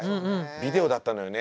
ビデオだったのよね。